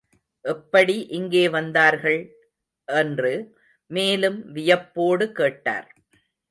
எப்படி இங்கே வந்தார்கள்? என்று மேலும் வியப்போடு கேட்டார்.